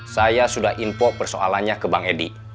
saya sudah info persoalannya ke bang edi